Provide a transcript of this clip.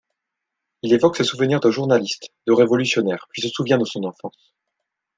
Il évoque ses souvenirs de journaliste, de révolutionnaire puis se souvient de son enfance.